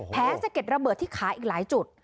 สะเด็ดระเบิดที่ขาอีกหลายจุด